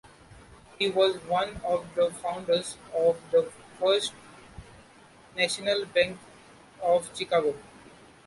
He was one of the founders of the First National Bank of Chicago.